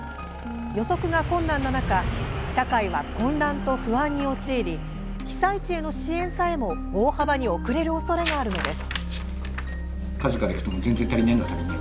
予測が困難な中社会は混乱と不安に陥り被災地への支援さえも大幅に遅れるおそれがあるのです。